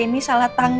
itu masih siap